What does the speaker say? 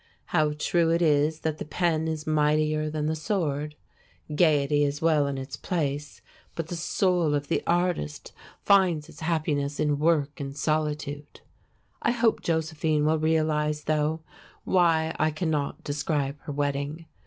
How true it is that the pen is mightier than the sword! Gayety is well in its place, but the soul of the artist finds its happiness in work and solitude. I hope Josephine will realize, though, why I cannot describe her wedding.